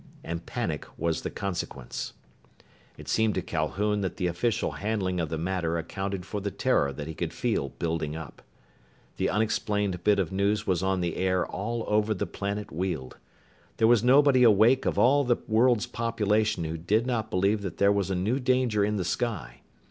And panic was the consequence. It seemed to Calhoun that the official handling of the matter accounted for the terror that he could feel building up. The unexplained bit of news was on the air all over the planet Weald. There was nobody awake of all the world's population who did not believe that there was a new danger in the sky.